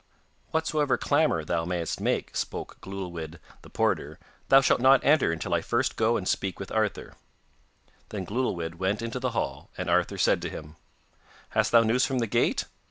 'Whatsoever clamour thou mayest make,' spake Glewlwyd the porter, 'thou shalt not enter until I first go and speak with Arthur.' Then Glewlwyd went into the hall, and Arthur said to him: 'Hast thou news from the gate?